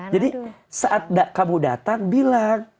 jadi saat kamu datang bilang